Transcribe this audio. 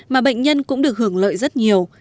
mà bệnh nhân cũng được hưởng lợi rất nhiều